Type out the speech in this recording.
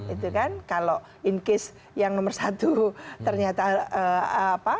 itu kan kalau in case yang nomor satu ternyata apa